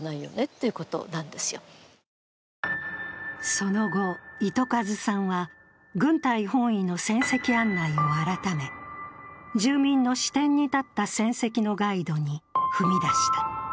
その後、糸数さんは軍隊本位の戦跡案内を改め、住民の視点に立った戦跡のガイドに踏み出した。